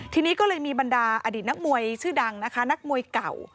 ทีนี้ก็เลยมีบรรดาอดีตนักมวยชื่อดังนะคะนักมวยเก่า